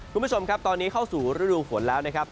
คุณผู้ชมครับตอนนี้เข้าสู่ฤดูฝนแล้วนะครับ